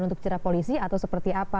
untuk cerah polisi atau seperti apa